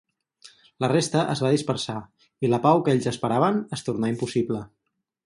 La resta es va dispersar i la pau que ells esperaven es tornà impossible.